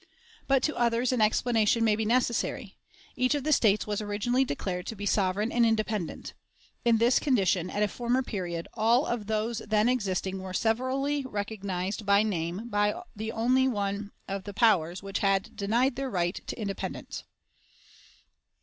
But to others an explanation may be necessary. Each of the States was originally declared to be sovereign and independent. In this condition, at a former period, all of those then existing were severally recognized by name by the only one of the powers which had denied their right to independence.